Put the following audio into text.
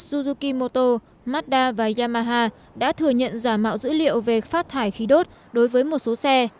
suzukimoto mazda và yamaha đã thừa nhận giả mạo dữ liệu về phát thải khí đốt đối với một số xe